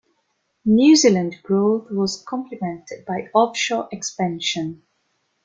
New Zealand growth was complemented by offshore expansion.